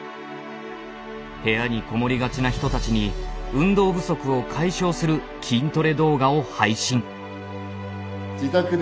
部屋に籠もりがちな人たちに運動不足を解消する筋トレ動画を配信。